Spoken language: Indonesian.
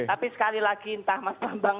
tapi sekali lagi entah mas bambang